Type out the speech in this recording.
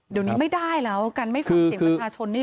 เดี๋ยวนี้ไม่ได้แล้วกันไม่ฟังเสียงประชาชนนี่